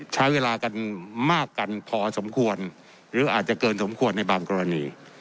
ใช้เวลากันมากกันพอสมควรหรืออาจจะเกินสมควรในบางกรณี